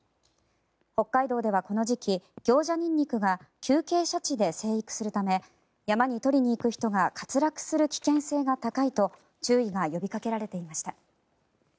北海道ではこの時期ギョウジャニンニクが急傾斜地で生育するため山に採りに行く人が滑落する危険性が高いと注意が呼びかけられていました。